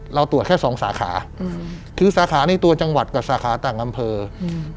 เราตรวจแค่สองสาขาอืมคือสาขาในตัวจังหวัดกับสาขาต่างอำเภออืม